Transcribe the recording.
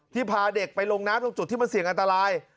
พาเด็กไปลงน้ำตรงจุดที่มันเสี่ยงอันตราย